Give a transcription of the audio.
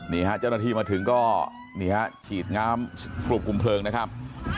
นี่ฮะเจ้าหน้าที่มาถึงก็นี่ฮะฉีดน้ำควบคุมเพลิงนะครับ